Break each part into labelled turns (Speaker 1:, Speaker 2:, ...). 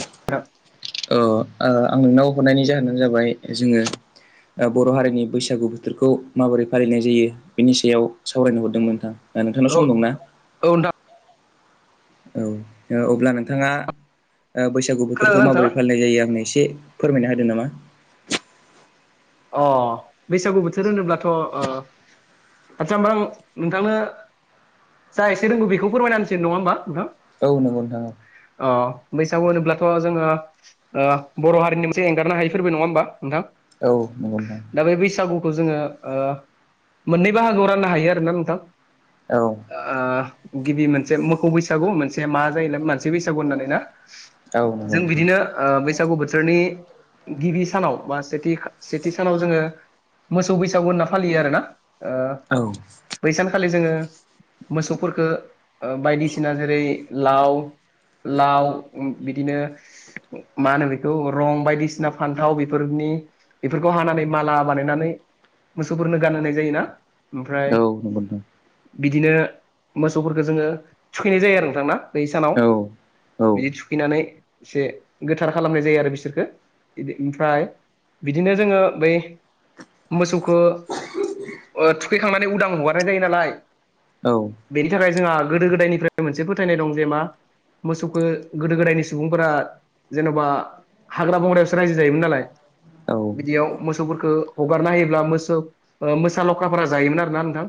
Speaker 1: [unintelligible]
Speaker 2: औ ओ आं नोंनाव हरनायनि जाहोनानो जाबाय जोंङो ओ बर' हारिनि बैसागु बोथोरखौ माबोरै फालिनाय जायो बेनि सायाव सावरायनो हरदों नोंथां। ओ नोंथांनाव सम दं ना?
Speaker 1: औ नोंथां
Speaker 2: औ ओ अब्ला नोंथांङा ओ बैसागु
Speaker 1: खोनादों
Speaker 2: बोथोरखौ
Speaker 1: नोंथाङा
Speaker 2: माबोरै फालिनाय जायो आंनो एसे। फोरमायना होदो नामा?
Speaker 1: अ बैसागु बोथोर होनोब्लाथ' ओ। आदसा होमबा आं नोंथांनो जा एसे रोंगौ बेखौ फोरमायना होनसै नङा ओमबा नोंथां।
Speaker 2: औ नोंगौ नोंथां औ।
Speaker 1: अ बैसागु होनोब्लाथ' जोंङो ओ बर' हारिनि मोनसे एंगारनो हायि फोरबो नङा ओमबा नोंथां।
Speaker 2: औ नोंगौ नोंथां।
Speaker 1: खौ जोंङो ओ मोननै बाहागोआव राननो हायो आरोना नोंथां ओ। गिबि मोनसे मोखौ बैसागु मोनसे मा जायो मान। मोनसे बैसागु होननानै ना
Speaker 2: नंगौ
Speaker 1: जों
Speaker 2: नोंथां
Speaker 1: बिदिनो ओ बैसागु बोथोरनि गिबि सानाव बा सेथि सेथि सानाव जोङो मोसौ बैसागु होनना फालियो आरो ना?
Speaker 2: औ
Speaker 1: बै सानखालि जोङो मोसौफोरखो बायदिसिना जेरै लाव लाव बिदिनो मा होनो बेखौ रं बायदिसिना फान्थाव बेफोरनि बेफोरखौ हानानै माला बानायनानै मोसौफोरनो गानहोनाय जायोना? ओमफ्राय
Speaker 2: नंगौ नोंथां
Speaker 1: बिदिनो मोसौफोरखौ जोङो थुखैनाय जायो आरो नोंथां ना? बै सानाव
Speaker 2: औ नंगौ नोंथां औ औ
Speaker 1: बिदि थुखैनानै एसे गोथार खालामनाय जायो आरो बिसोरखो इदि ओमफ्राय बिदिनो जोङो बै मोसौखो थुखैखांनानै उदां हगारनाय जायो नालाय।
Speaker 2: औ
Speaker 1: बिनि थाखाय जोंहा गोदो गोदायनिफ्राय मोनसे फोथायनाय दं जे मा? मोसौखौ गोदो गोदायनि सुबुंफोरा जेन'बा हाग्रा बंग्रायावसो रायजो जायोमोन नालाय। बिदियाव मोसौफोरखौ हगारना होयोब्ला मोसौ मोसा लखाफोरा जायोमोन आरोना नोंथां?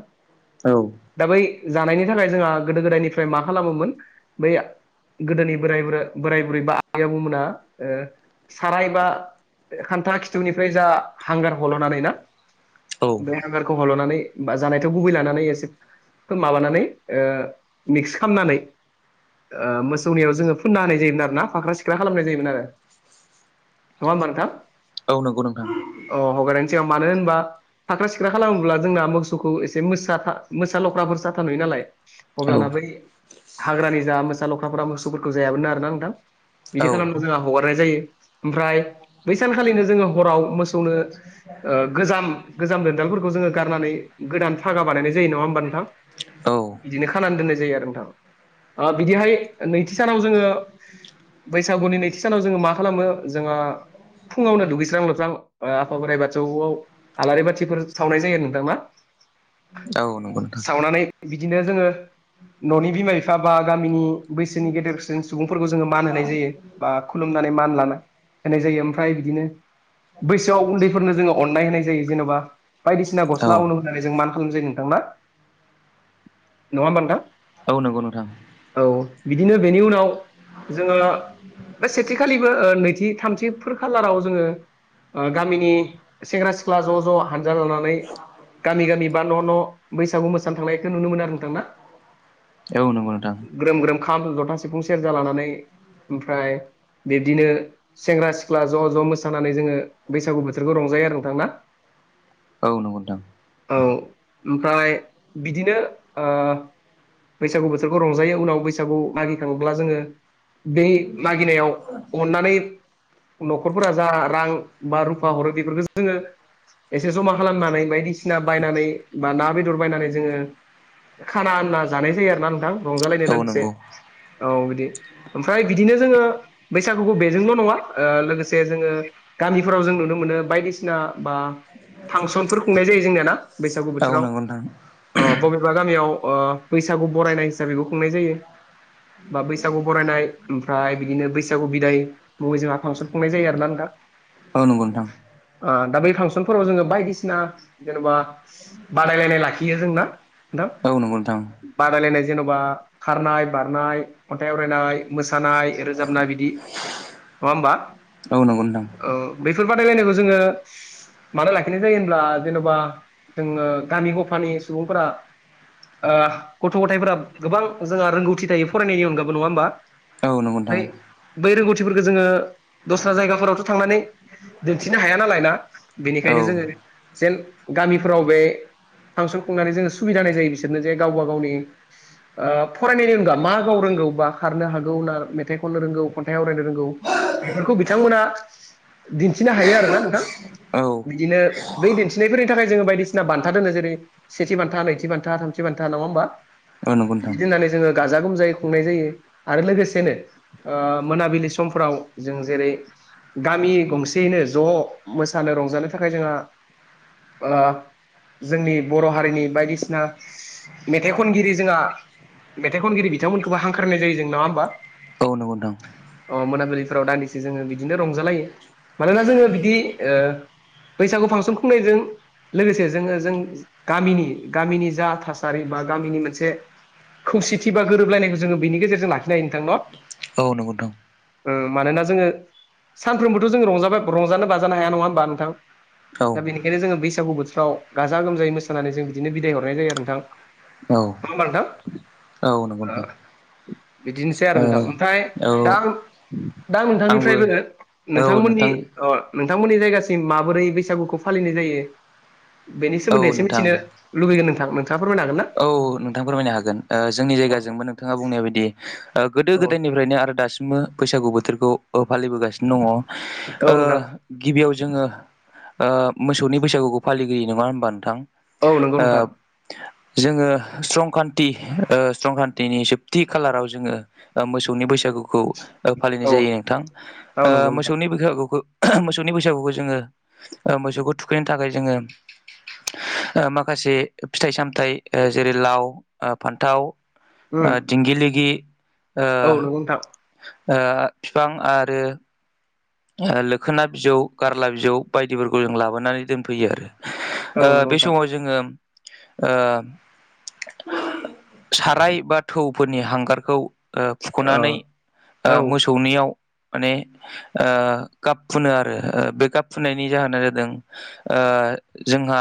Speaker 2: औ
Speaker 1: दा बै जानायनि थाखाय जोंहा गोदो गोदायनिफ्राय मा खालामोमोन बै गोदोनि बोराय बुर बोराय बुरै बा आबै आबौमोना साराय बा खान्था खिथुनिफ्राय जा हांगार हल'नानै ना बे हांगारखौ हल'नानै बा जानायथाव गुबै लानानै एसे माबानानै मिक्स खालामनानै। मोसौनियाव जोङो फोनना होनाय जायोमोन आरोना फाख्रा सिख्रा खालामनाय जायोमोन आरो नङा ओमबा नोंथां?
Speaker 2: औ नंगौ नोंथां।
Speaker 1: अ हगारनायनि मानो होनबा फाख्रा सिख्रा खालामोब्ला जोंना मोसौखौ एसे मोसा मोसा लख्राफोर साथा नुयो नालाय?
Speaker 2: औ
Speaker 1: अब्लाना बै हाग्रानि जा मोसा लख्राफोरा मोसौफोरखौ जायामोन आरोना नोंथां? बिदि
Speaker 2: औ
Speaker 1: खालामनो जोंहा हगारनाय जायो ओमफ्राय बै सान खालिनो जोङो हराव मोसौनो गोजाम गोजाम दोनदालफोरखौ जोङो गारनानै गोदान। फागा बानायनाय जायो नङा होमबा नोंथां
Speaker 2: औ
Speaker 1: बिदिनो खानानै दोननाय जायो आरो नोंथां बिदिहाय नैथि सानाव जोङो बैसागुनि नैथि सानाव जोङो मा खालामो जोंहा फुङावनो दुगैस्रां लोबस्रां आफा बोराइ बाथौआव आलारि बाथिफोर सावनाय जायो नोंथां ना?
Speaker 2: औ नंगौ नोंथां
Speaker 1: सावनानै बिदिनो जोङो न'नि बिमा बिफा बा गामिनि बैसोनि गेदेरसिन सुबुंफोरखौ जोंङो मान होनाय जायो बा खुलुम मान लाना होनाय जायो। फ्राय बिदिनो बैसोआव उन्दैफोरनो जोंङो अननाय होनाय जायो जेन'बा बायदिसिना गस्ला
Speaker 2: औ
Speaker 1: उन होनानै जों मा खालाम जायो नोंथांना नंङा होमबा नोंथां?
Speaker 2: औ नंगौ नोंथां।
Speaker 1: औ बिदिनो बेनि उनाव जोंङो बे सेथिखालिबो ओ नैथि थामथि फोर खालाराव जोंङो ओ गामिनि सेंग्रा सिख्ला ज' ज' हानजा लानानै गामि गामि बा न' न' बैसागु मोसानो थांनायखौ नुनो मोनो आरो नोंथां ना?
Speaker 2: औ नंगौ नोंथां।
Speaker 1: ग्रोम ग्रोम खाम, जथा, सिफुं, सेरजा लानानै ओमफ्राय बिब्दिनो सेंग्रा सि ख्ला ज' ज' मोसानानै जोंङो बैसागु बोथोरखौ रंजायो आरो नोंथां ना?
Speaker 2: औ नंगौ नोंथां।
Speaker 1: औ ओमफ्राय बिदिनो ओ बैसागु बोथोरखौ रंजायो उनाव बैसागु मागिखांङोब्ला जोंङो बे मागिनायाव अननानै न'खरफोरा जा रां बा रुफा हरो बेफोरखौ जोंङो एसे जमा खालामनानै बायदिसिना बायनानै बा ना बेदर बायनानै जोंङो खाना होनना जानाय जायो आरोना नोंथां रंजालायनाय
Speaker 2: औ
Speaker 1: दानसे
Speaker 2: नंगौ
Speaker 1: औ बिदि ओमफ्राय बिदिनो जोंङो बैसागुखौ बेजोंल' नंङा ओ लोगोसे जोंङो गामिफोराव जों नुनो मोनो बायदिसिना बा फांसनफोर खुंनाय जायो जोंनियाना बैसागु
Speaker 2: औ
Speaker 1: बोथोराव
Speaker 2: नंगौ नोंथां
Speaker 1: बबे बा गामियाव ओ बैसागु बरायनाय हिसाबैबो खुंनाय जायो। बा बैसागु बरायनाय ओमफ्राय बिदिनो बैसागु बिदाय बबे जोंहा फांसन खुंनाय जायो आरोना नोंथां।
Speaker 2: औ नंगौ नोंथां।
Speaker 1: दा बै फांसनफोराव जोंङो बायदिसिना जेनेबा बादायलायनाय लाखियो जोंना। नोंथां
Speaker 2: औ
Speaker 1: बादायलायनाय जेन'बा खारनाय बारनाय खन्थाइ आवरायनाय मोसानाय रोजाबनाय बिदि
Speaker 2: [inaudible]
Speaker 1: नंङा होमबा?
Speaker 2: औ नोंगौ नोंथां।
Speaker 1: बेफोर बादायलायनायखौ जोंङो मानो लाखिनाय जायो होनब्ला जेन'बा जोंङो गामि गफानि सुबुंफोरा ओ गथ' गथायफोरा गोबां जोंहा रोंगौथि थायो फरायनायनि अनगायबो नंङा होमबा?
Speaker 2: औ नंगौ नोंथां
Speaker 1: फ्राय बे रोंग खो जोंङो दस्रा जायगाफोरावथ' थांनानै दिन्थिनो हाया नालाय ना
Speaker 2: औ नंगौ नोंथां औ
Speaker 1: बेनिखायनो जोंङो जेन गामिफोराव बे फांसन खुंनानै जोंङो सुबिदा होननाय जायो बिसोरनो जे गावबा गावनि ओ फरायनायनि अनगा मा गाव रोंगौ बा खारनो हागौ ना मेथाइ खननो रोंगौ खन्थाइ आवरायनो रोंगौ बेफोरखौ बिथांमोना दिन्थिनो हायो आरोना नोंथां
Speaker 2: औ
Speaker 1: बिदिनो ब दिन्थिनायफोर थाखाय जोंङो बायदिसिना बान्था दोनो जेरै सेथि बान्था नैथि बान्था थामथि बान्था नंङा होमबा?
Speaker 2: औ नंगौ नोंथां
Speaker 1: बिदि होननानै जोंङो गाजा गोमजायै खुंनाय जायो, आरो लोगोसेनो मोनाबिलि समफ्राव जों जेरै गामि गंसेयैनो ज' मोसानो रंजानो थाखाय जोंहा ओवा जोंनि बर' हारिनि बायदिसिना मेथाइ खनगिरि जोंहा मेथाइ खनगिरि बिथांमोनखौबो हांख्रायनाय जायो जों नंङा होमबा?
Speaker 2: औ नंगौ नोंथां।
Speaker 1: अ मोनाबिलिफोराव दानदिसे जोंङो बिदिनो रंजालायो, मानोना जोंङो बिदि ओ बैसागु फांसन खुंनायजों लोगोसे जोंङो जों गामिनि गामिनि जा थासारि बा ओ गामिनि मोनसे खौसेथि बा गोरोबलायनायखौ जोङो बेनि गेजेरजों लाखिनो हायो नोंथां न'?
Speaker 2: औ नंगौ नोंथां।
Speaker 1: ओ मानोना जोङो सानफ्रोमबोथ' जों रंजाबा रंजानो बाजानो हाया नङा होमबा नोंथां?
Speaker 2: औ
Speaker 1: दा बेनिखायनो जोङो बैसागु बोथोराव गाजा गोमजायै मोसानानै जों बिदिनो बिदाय हरनाय जायो आरो नोंथां।
Speaker 2: औ
Speaker 1: नङा होनबा नोंथां?
Speaker 2: औ नंगौ नोंथां।
Speaker 1: बिदिनोसै आरो
Speaker 2: ओ
Speaker 1: नोंथां। ओमफ्राय
Speaker 2: औ
Speaker 1: दा-दा
Speaker 2: आंबो
Speaker 1: नोंथांनिफ्रायबो
Speaker 2: औ
Speaker 1: नोंथांमोननि
Speaker 2: नोंथां
Speaker 1: नि नोंथांमोननि जायगासिम माबोरै बैसागुखौ फालिनाय जायो बेनि सो
Speaker 2: औ
Speaker 1: सोमोन्दै एसे
Speaker 2: नोंथां
Speaker 1: मिथिनो लुबैयो नोंथां। नोंथाङा फोरमायनो
Speaker 2: औ नोंथां फोरमायनो हागोन। ओ जोंनि जायगाजोंबो नोंथाङा बुंनाय बायदि‌ गोदो गोदायनिफ्रायनो आरो दासिमबो बैसागु बोथोरखौ ओ फालिबोगासिनो दङ'। ओ
Speaker 1: हागोन ना
Speaker 2: गिबियाव जोङो ओ मोसौनि बैसागुखौ फालिग्रोयो, नङा होनबा नोंथां?
Speaker 1: औ नंगौ नोंथां।
Speaker 2: ओ जोङो संख्रान्ति ओ संख्रान्तिनि जोबथि खालाराव जोङो ओ मोसौनि बैसागु गुखौ फालिनाय
Speaker 1: औ
Speaker 2: जायो नोंथां।
Speaker 1: औ
Speaker 2: ओ
Speaker 1: नंगौ नोंथां
Speaker 2: मोसौनि बैखागुखौ मोसौनि बैसागुखौ जोङो मोसौखौ थुखैनो थाखाय जोङो ओ माखासे फिथाइ सामथाइ ओ जेरै लाव, फान्थाव, ओ
Speaker 1: उम
Speaker 2: दिंगिलिगि ओ
Speaker 1: औ नंगौ नोंथां
Speaker 2: ओ फिफां आरो ओ लोखोना बिजौ गारला बिजौ बायदिफोरखौ जों लाबोनानै दोनफैयो आरो। ओ
Speaker 1: औ नंगौ
Speaker 2: बे
Speaker 1: नोंथां
Speaker 2: समाव जोङो ओ साराय बा थौफोरनि हांगारखौ ओ फुख'नानै
Speaker 1: औ
Speaker 2: ओ
Speaker 1: औ
Speaker 2: मोसौनियाव माने ओ गाब फुनो आरो बे गाब फुननायनि जाहोना जादों ओ जोंहा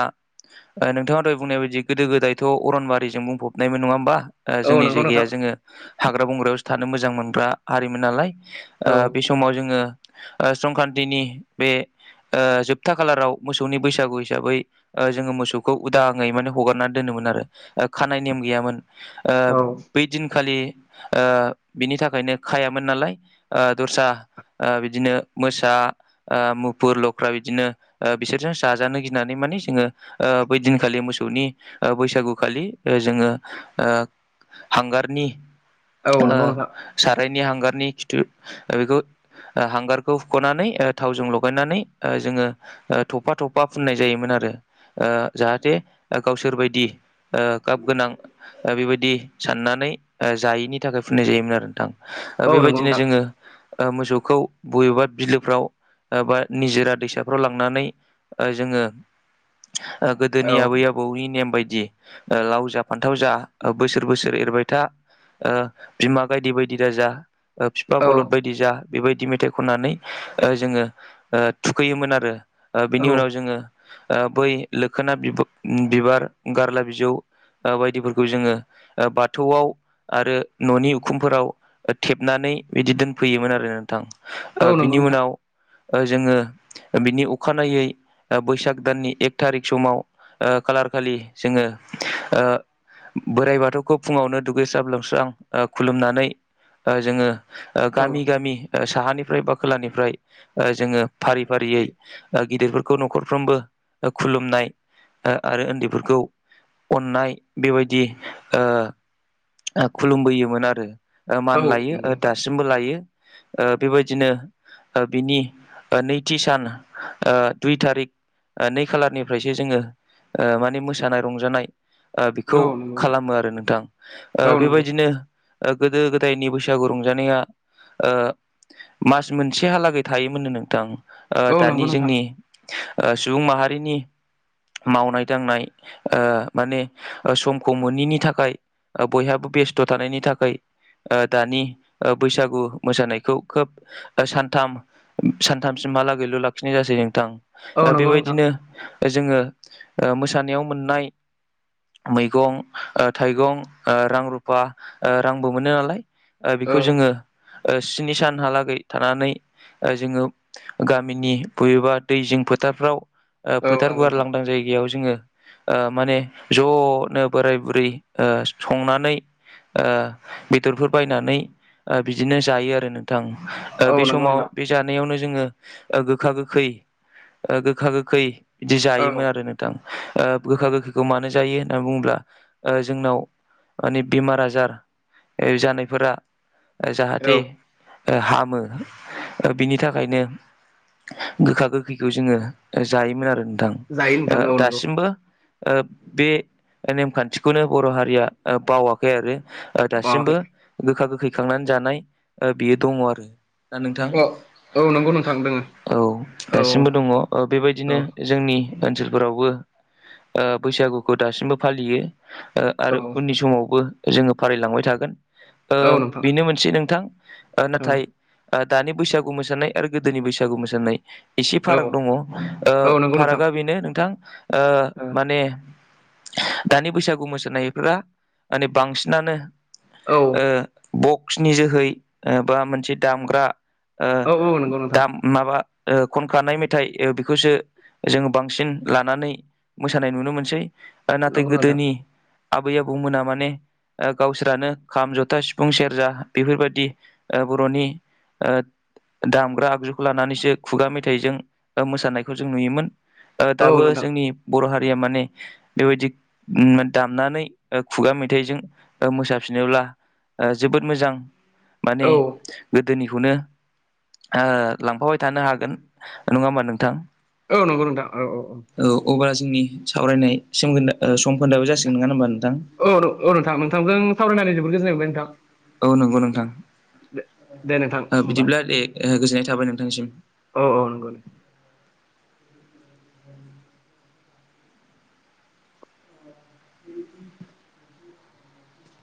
Speaker 2: नोंथाङा दहाय बुंनाय बायदि गोदो गोदायथ' अरनबारिजों बुंफबनायमोन, नङा होमबा? ओ
Speaker 1: औ
Speaker 2: जोंनि
Speaker 1: नंगौ
Speaker 2: जायगाया
Speaker 1: नोंथां
Speaker 2: जोङो हाग्रा बंग्रायावसो थानो मोजां मोनग्रा हारिमोन नालाय ओ
Speaker 1: औ
Speaker 2: बे समाव जोङो ओ संक्रान्तिनि बे ओ जोबथा खालाराव मोसौनि बैसागु हिसाबै ओ जोङो मोसौखौ उदाङै माने हगारनानै दोनोमोन आरो। खानाय नेम गैयामोन। ओ
Speaker 1: औ
Speaker 2: बै दिनखालि ओ बिनि थाखायनो खायामोन नालाय ओ दस्रा ओ बिदिनो मोसा ओ मुफुर लख्रा बिदिनो ओ बिसोरजों जाजानो गिनानै मानि जोङो ओ बै दिनखालि मोसौनि ओ बैसागु खालि जोङो ओ हांगारनि
Speaker 1: औ
Speaker 2: ओ
Speaker 1: नंगौ नोंथां
Speaker 2: सारायनि हांगारनि खिथु बेखौ ओ हांगारखौ हुख'नानै ओ थावजों लगायनानै ओ जोङो ओ थफा थफा फुननाय जायोमोन आरो। ओ जाहाथे गावसोरबायदि ओ गाब गोनां
Speaker 1: औ नंगौ
Speaker 2: बेबायदिनो
Speaker 1: नोंथां
Speaker 2: जोङो ओ मोसौखौ बबेबा बिलोफ्राव ओ बा निजोरा दैसाफ्राव लांनानै ओ जोङो ओ
Speaker 1: औ
Speaker 2: गोदोनि आबै आबौनि नेम बायदि दि लाव जा फान्थाव जा बोसोर बोसोर एरबाय था ओ बिमा गायदे बायदि दाजा फिफा
Speaker 1: औ
Speaker 2: बलद बायदि जा बेबायदि मेथाइ खननानै ओ जोङो ओ थुखैयोमोन आरो। ओ
Speaker 1: औ
Speaker 2: बिनि उनाव जोङो ओ बै लोखोना बिबा-बिबार गारला बिजौ ओ बायदिफोरखौ जोङो बाथौआव आरो न'नि उखुमफोराव ओ थेबनानै नै बिदि दोनफैयोमोन आरो नोंथां। ओ
Speaker 1: औ नंगौ
Speaker 2: बिनि
Speaker 1: नोंथां
Speaker 2: उनाव ओ जोङो बिनि अखानायै ओ बैसाग दाननि एक थारिख समाव ओ खालार खालि जोङो ओ बोराइ बाथौखौ फुङावनो दुगैस्राब लोमस्रां खुलुमनानै ओ जोङो
Speaker 1: औ
Speaker 2: गामि गामि साहानिफ्राय बा खोलानिफ्राय जोङो फारि फारियै ओ गिदिरफोरखौ न'खरफ्रोमबो खुलुमनाय आ आरो उन्दैफोरखौ अननाय बेबायदि ओ खुलुमबोयोमोन आरो
Speaker 1: औ
Speaker 2: मान लायो
Speaker 1: नंगौ
Speaker 2: ओ
Speaker 1: नोंथां
Speaker 2: दासिमबो लायो। ओ बेबायदिनो ओ बिनि ओ नैथि सान ओ दुइ थारिक ओ नै खालारनिफ्रायसो जोङो ओ माने मोसानाय रंजानाय
Speaker 1: औ
Speaker 2: बेखौ
Speaker 1: नंगौ नोंथां
Speaker 2: खालामो आरो नोंथां ओ
Speaker 1: औ नंगौ
Speaker 2: बेबायदिनो ओ गोदो गोदायनि बैसागु रंजानाया ओ मास मोनसेहालागै थायोमोननो नोंथां ओ
Speaker 1: औ नंगौ
Speaker 2: दानि
Speaker 1: नोंथां
Speaker 2: जोंनि ओ सुबुं माहारिनि मावनाय दांनाय ओ माने ओ समखौ मोनैनि थाखाय बयहाबो बेस्थ' थानायनि थाखाय ओ दानि ओ बैसागु मोसानायखौ खोब ओ सानथाम सानथामसिम हालागैल' लाखिनाय जासै नोंथां
Speaker 1: औ
Speaker 2: ओ
Speaker 1: नंगौ नोंथां
Speaker 2: बेबायदिनो जोङो ओ मोसानायाव मोननाय मैगं थाइगं ओ रां रुफा ओ रांबो मोनो नालाय
Speaker 1: औ
Speaker 2: बेखौ जोङो ओ स्नि सानहालागै थानानै जोङो गामिनि बबेबा दैजोंं फोथारफ्राव
Speaker 1: औ
Speaker 2: फोथार
Speaker 1: नंगौ
Speaker 2: गुवार
Speaker 1: नोंथां
Speaker 2: लांदां जायगायाव जोङो ओ माने ज'नो बोराय बुरै‌ ओ संनानै ओ बेदरफोर बायनानै बिदिनो जायो आरो नों थां बे
Speaker 1: औ नंगौ
Speaker 2: समाव
Speaker 1: नोंथां
Speaker 2: बे जानायावनो जोङो गोखा गोखै ओ गोखा गोखै बिदि
Speaker 1: औ
Speaker 2: जायोमोन आरो नोंथां ओ
Speaker 1: औ
Speaker 2: गोखा गोखैखौ मानो जायो होननानै बुङोब्ला जोंनाव माने बेमार आजार जानायफोरा
Speaker 1: औ
Speaker 2: जाहाथे हामो बिनि थाखायनो गोखा गोखैखौ जोङो जायोमोन आरो।
Speaker 1: जायो नोंथां
Speaker 2: ओ
Speaker 1: औ नंगौ
Speaker 2: दासिमबो ओ बे नेमखान्थिखौनो बर' हारिया बावाखै आरो दासिमबो
Speaker 1: बावाखै
Speaker 2: गोखा गोखै खांनानै जानाय बियो दङ आरो। दा नोंथां
Speaker 1: अ औ नंगौ नोंथां दोङो।
Speaker 2: औ
Speaker 1: औ
Speaker 2: दासिमबो दङ
Speaker 1: औ
Speaker 2: बेबायदिनो जोंनि ओनसोलफोरावबो ओ बैसागुखौ दासिमबो फालियो
Speaker 1: औ
Speaker 2: आरो खौबो जोङो फारिलांबाय थागोन ओ
Speaker 1: औ नोंथां
Speaker 2: बेनो मोनसे नोंथां।
Speaker 1: औ
Speaker 2: नाथाय दानि बैसागु मोसानाय आरो गोदोनि बैसागु मोसानाय एसे
Speaker 1: औ
Speaker 2: फाराग दङ ओ
Speaker 1: औ नंगौ नोंथां
Speaker 2: फारागा बेनो नोंथां ओ
Speaker 1: औ
Speaker 2: माने दानि बैसागु मोसानायफोरा माने बांसिनानो
Speaker 1: औ
Speaker 2: ओक्ष बक्सनि जोहै बा मोनसे दामग्रा ओ
Speaker 1: औ नंगौ नोंथां
Speaker 2: दाम माबा ओ खनखानाय मेथाइ बेखौसो जोङो बांसिन लानानै मोसानाय नुनो मोनसै। ओ नाथाय
Speaker 1: नंगौ नोंथां
Speaker 2: गोदोनि आबै आबौमोना माने ओ गावसोरानो खाम जथा सिफुं सेरजा बेफोरबायाददि ओ बर'नि ओ दामग्रा आगजुखौ लानानैसो खुगा मेथाइजों मोसानायखौ जों नुयोमोन। ओ
Speaker 1: औ
Speaker 2: दाबो
Speaker 1: नोंथां
Speaker 2: जोंनि बर' हारिया माने बेबायदि दामनानै खुगा मेथाइजों मोसाफिनोब्ला जोबोद मोजां। माने
Speaker 1: औ
Speaker 2: दोनिखौनो ओ लांफाबाय थानो हागोन नङा होमबा नोंथां?
Speaker 1: औ नंगौ नोंथां औ औ औ।
Speaker 2: जोंनि सावरायनाय सोमोनदो ओ समोन्दाआबो जासिगोन नङा होनबा नो
Speaker 1: औ औ नोंथां नोंथांजों सावरायनानै जोबबोद गोजोननाय मोनबाय नोंथां।
Speaker 2: औ नंगौ नोंथां।
Speaker 1: दे दे नोंथां
Speaker 2: ओ
Speaker 1: होमबा
Speaker 2: बिदिब्ला दे गोजोननाय थाबाय नोंथांसिम।
Speaker 1: औ औ नंगौ